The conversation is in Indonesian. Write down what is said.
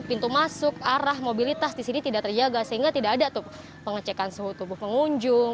pintu masuk arah mobilitas di sini tidak terjaga sehingga tidak ada tuh pengecekan suhu tubuh pengunjung